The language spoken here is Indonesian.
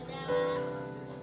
denny solang wajar berteriak lantang